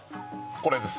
これです